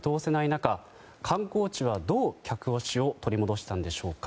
中観光地は、どう客足を取り戻したんでしょうか。